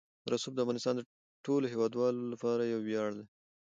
رسوب د افغانستان د ټولو هیوادوالو لپاره یو ویاړ دی.